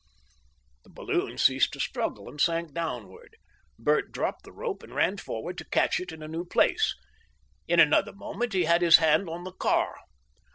The balloon ceased to struggle, and sank downward. Bert dropped the rope, and ran forward to catch it in a new place. In another moment he had his hand on the car.